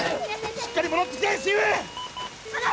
・しっかり戻ってきてチーフ！